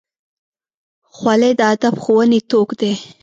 خولۍ د ادب ښوونې توک دی.